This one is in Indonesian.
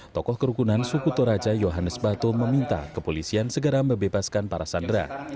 tokoh kerukunan suku toraja yohannes batu meminta kepolisian segera mebebaskan para sandera